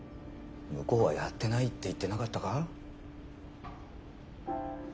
向こうはやってないって言ってなかったか？